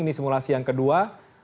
ini simulasi yang kedua